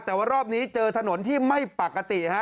แต่ว่ารอบนี้เจอถนนที่ไม่ปกติฮะ